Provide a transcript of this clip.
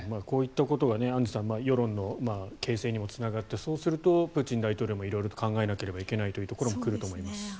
こういったことが世論の形成にもつながってそうするとプーチン大統領も色々と考えなきゃいけないところにも来ると思います。